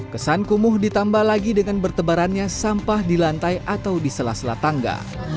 kesan kumuh ditambah lagi dengan bertebarannya sampah di lantai atau di sela sela tangga